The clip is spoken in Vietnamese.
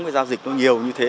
và giao dịch nó nhiều như thế